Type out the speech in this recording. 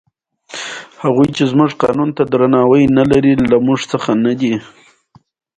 په هیڅ پړاو یې بد درته یاد نه وي.